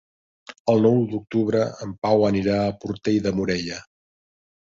El nou d'octubre en Pau anirà a Portell de Morella.